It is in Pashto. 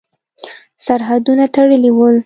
سرحدونه تړلي ول.